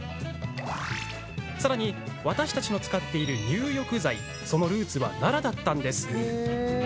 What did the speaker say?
さらに私たちの使っている入浴剤そのルーツは奈良だったんです。